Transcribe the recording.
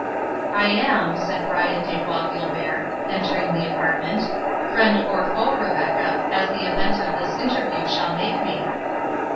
"I am," said Brian de Bois Guilbert, entering the apartment, "friend or foe, Rebecca, as the event of this interview shall make me."